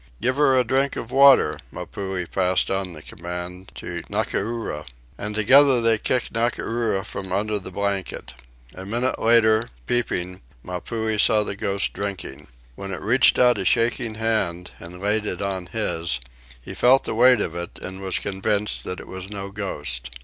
"Give her a drink of water," Mapuhi passed on the command to Ngakura. And together they kicked out Ngakura from under the blanket. A minute later, peeping, Mapuhi saw the ghost drinking. When it reached out a shaking hand and laid it on his, he felt the weight of it and was convinced that it was no ghost.